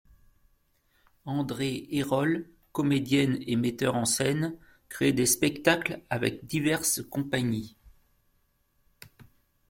Andrée Eyrolle, comédienne et metteur en scène crée des spectacles avec diverses compagnies.